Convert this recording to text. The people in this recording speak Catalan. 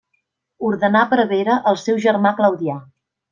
Ordenà prevere el seu germà Claudià.